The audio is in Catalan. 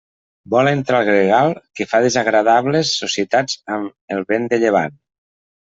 Vol entrar el gregal, que fa desagradables societats amb el vent de llevant.